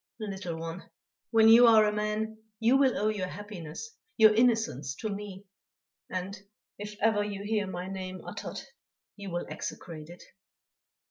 "Little one, when you are a man, you will owe your happiness, your innocence to me; and, if ever you hear my name uttered, you will execrate it."